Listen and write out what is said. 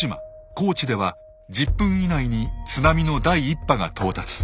高知では１０分以内に津波の第１波が到達。